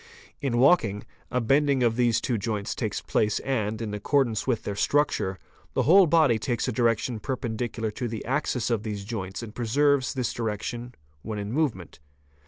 In walking, a bending of these two joints takes place and, in accordance with their structure, the whole body takes a direction perpendicular to the axis of these joints and preserves this direction when in movement.